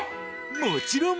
もちろん！